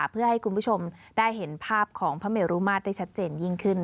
เพื่อให้คุณผู้ชมได้เห็นภาพของพระเมรุมาตรได้ชัดเจนยิ่งขึ้น